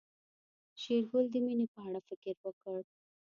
شېرګل د مينې په اړه فکر وکړ.